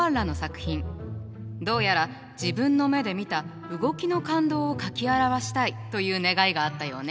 どうやら自分の目で見た動きの感動を描き表したいという願いがあったようね。